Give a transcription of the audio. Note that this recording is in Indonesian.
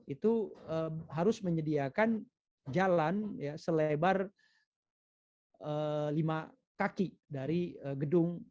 itu harus menyediakan jalan selebar lima kaki dari gedung